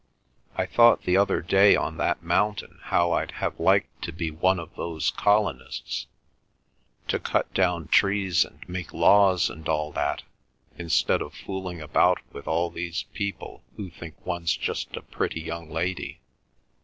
I thought the other day on that mountain how I'd have liked to be one of those colonists, to cut down trees and make laws and all that, instead of fooling about with all these people who think one's just a pretty young lady.